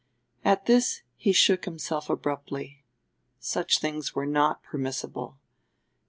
At this he shook himself abruptly such things were not permissible.